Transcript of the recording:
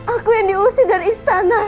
aku yang diusir dari istana